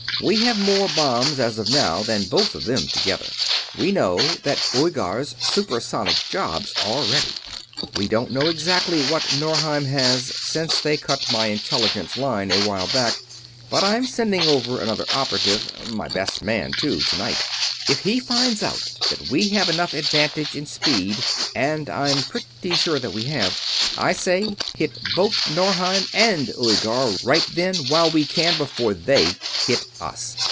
We have more bombs as of now than both of them together. We know that Uighar's super sonic jobs are ready. We don't know exactly what Norheim has, since they cut my Intelligence line a while back, but I'm sending over another operative my best man, too tonight. If he finds out that we have enough advantage in speed, and I'm pretty sure that we have, I say hit both Norheim and Uighar right then, while we can, before they hit us.